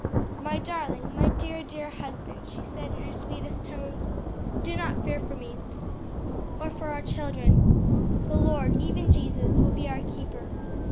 "My darling, my dear, dear husband," she said in her sweetest tones, "do not fear for me, or for our children. The Lord, even Jesus, will be our keeper.